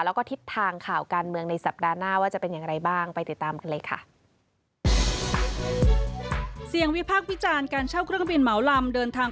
แล้วก็ทิศทางข่าวการเมืองในสัปดาห์หน้าว่าจะเป็นอย่างไรบ้าง